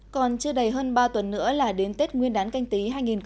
còn chưa đầy hơn ba tuần nữa là đến tết nguyên đán canh tí hai nghìn hai mươi